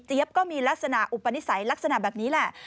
ก็มีลักษณะอุปนิสัยลักษณะแบบนี้แหละ